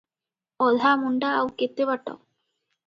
ଅଧାମୁଣ୍ଡା ଆଉ କେତେ ବାଟ?